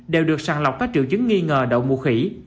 đều được sàng lọc các triệu chứng nghi ngờ đậu mùa khỉ